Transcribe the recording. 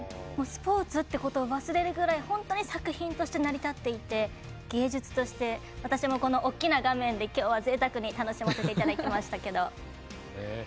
スポーツってことを忘れるくらい本当に作品として成り立っていて芸術として私も大きな画面できょうは、ぜいたくに楽しませていただきました。